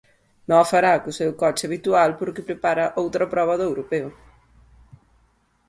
Non o fará co seu coche habitual porque prepara outra proba do europeo.